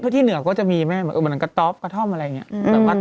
ที่เหนือก็จะมีแม่เหมือนกระต๊อบกระท่อมอะไรอย่างนี้